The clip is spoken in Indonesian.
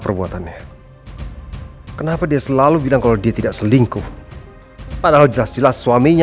perbuatannya kenapa dia selalu bilang kalau dia tidak selingkuh padahal jelas jelas suaminya